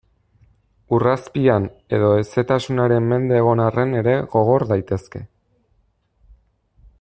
Ur azpian edo hezetasunaren mende egon arren ere gogor daitezke.